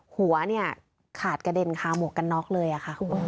หัวเนี่ยขาดกระเด็นคาหมวกกันน๊อกเลยอะค่ะ